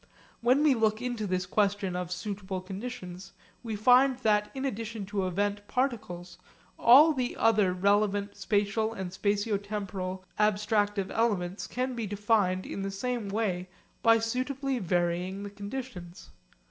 When we look into this question of suitable conditions we find that in addition to event particles all the other relevant spatial and spatio temporal abstractive elements can be defined in the same way by suitably varying the conditions.